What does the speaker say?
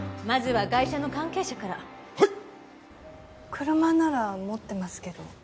車なら持ってますけど。